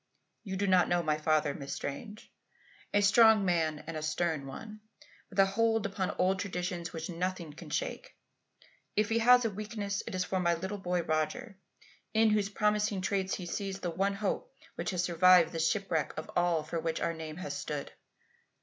You do not know my father, Miss Strange. A strong man and a stern one, with a hold upon old traditions which nothing can shake. If he has a weakness it is for my little boy Roger in whose promising traits he sees the one hope which has survived the shipwreck of all for which our name has stood.